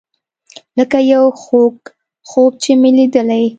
لکه یو خوږ خوب چې مې لیدی.